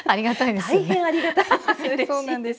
大変ありがたいです